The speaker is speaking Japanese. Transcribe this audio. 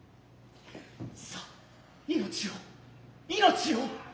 さ生命を生命を。